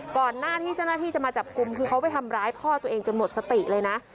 ก่อนหน้าที่เจ้าหน้าที่จะมาจับกลุ่มคือเขาไปทำร้ายพ่อตัวเองจนหมดสติเลยนะ